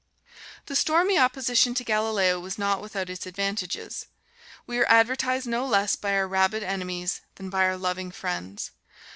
The stormy opposition to Galileo was not without its advantages. We are advertised no less by our rabid enemies than by our loving friends.